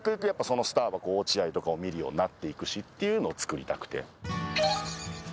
やっぱりそのスターは落合とかを見るようになっていくしっていうのを作りたくて。